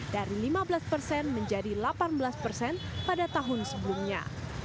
dari lima belas persen menjadi delapan belas persen pada tahun sebelumnya